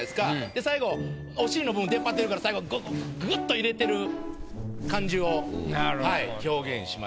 で最後お尻の部分出っ張ってるから最後グッと入れてる感じを表現しました。